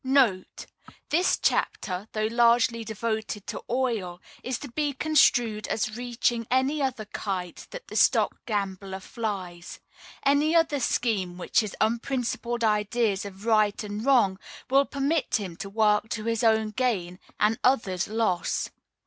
[NOTE. This chapter, though largely devoted to "Oil," is to be construed as reaching any other "Kite" that the stock gambler flies any other scheme which his unprincipled ideas of right and wrong will permit him to work to his own gain and others' loss.